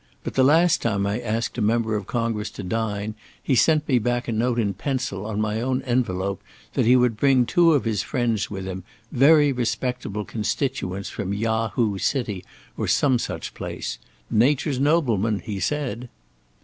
But the last time I asked a member of Congress to dine, he sent me back a note in pencil on my own envelope that he would bring two of his friends with him, very respectable constituents from Yahoo city, or some such place; nature's noblemen, he said."